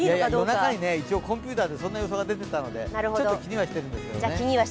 夜中にコンピュータでそんな結果が出ていたのでちょっと気にはしてるんですけどね。